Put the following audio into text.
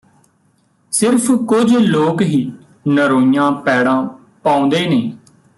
ਸਿਰਫ ਕੁਝ ਲੋਕ ਹੀ ਨਰੋਈਆਂ ਪੈੜਾਂ ਪਾਉਂਦੇ ਨੇ